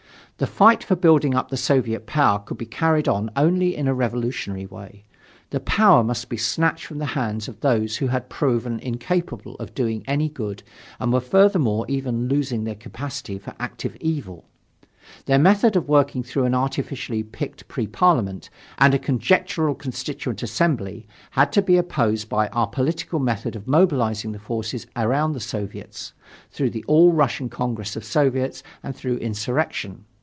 The fight for building up the Soviet power could be carried on only in a revolutionary way. The power must be snatched from the hands of those who had proven incapable of doing any good and were furthermore even losing their capacity for active evil. Their method of working through an artificially picked Pre Parliament and a conjectural Constituent Assembly, had to be opposed by our political method of mobilizing the forces around the Soviets, through the All Russian Congress of Soviets and through insurrection.